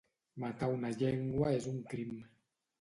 Matar una llengua és un crim.